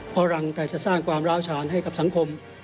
เพราะรังแต่จะสร้างความร้าวฉานให้กับสังคม